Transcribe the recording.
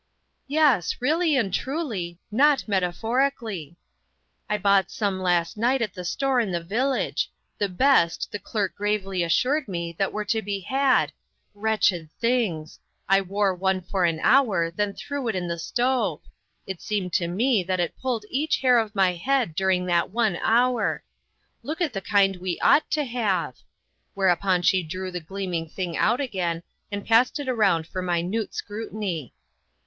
"Yes: really and truly, not metaphori cally. I bought some last night at the store in the village ; the best, the clerk gravely assured me, that were to be had. Wretched tilings ! I wore one for an hour, then threw it in the stove ; it seemed to me that it pulled each hair of my head during that one hour. Look at the kind we ought to have !" Whereupon she drew the gleaming thing out again, and passed it around for minute scrutiny.